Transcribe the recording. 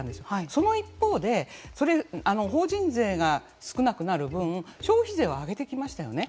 その一方で法人税が少なくなる分消費税は上げてきましたよね。